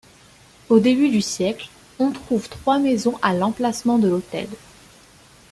Au début du siècle, on trouve trois maisons à l'emplacement de l'hôtel.